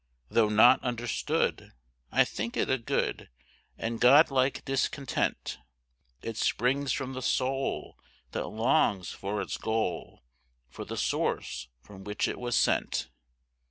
Though not understood, I think it a good And God like discontent. It springs from the soul that longs for its goal For the source from which it was sent.